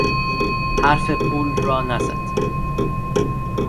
حرف پول را نزد.